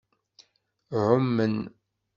Ɛumen.